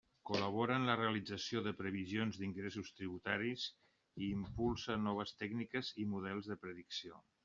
Col·labora en la realització de previsions d'ingressos tributaris i impulsa noves tècniques i models de predicció.